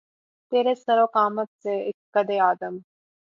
تیرے سرو قامت سے، اک قّدِ آدم